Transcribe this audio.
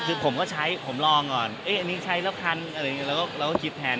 คือผมก็ใช้ผมลองก่อนอันนี้ใช้แล้วทันเราก็คิดแทน